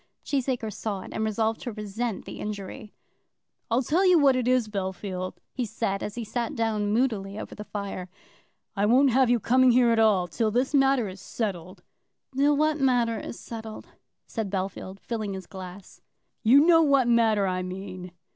Cheesacre saw it, and resolved to resent the injury. "I'll tell you what it is, Bellfield," he said, as he sat down moodily over the fire, "I won't have you coming here at all, till this matter is settled." "Till what matter is settled?" said Bellfield, filling his glass. "You know what matter I mean."